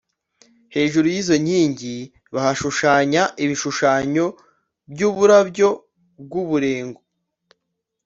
Hejuru y’izo nkingi bahashushanya ibishushanyo by’uburabyo bw’uburengo